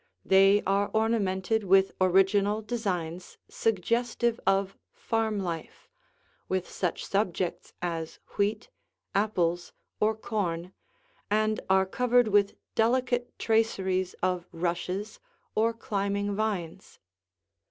They are ornamented with original designs suggestive of farm life, with such subjects as wheat, apples, or corn and are covered with delicate traceries of rushes or climbing vines.